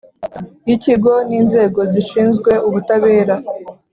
Y ikigo n inzego zishinzwe ubutabera